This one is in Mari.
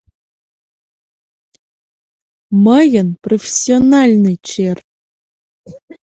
— Мыйын профессиональный чер!